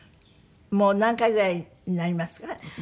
もう何回ぐらいになりますか？